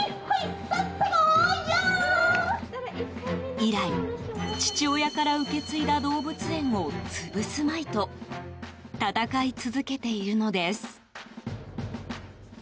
以来、父親から受け継いだ動物園を潰すまいと闘い続けているのです。